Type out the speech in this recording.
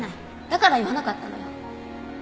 だから言わなかったのよ。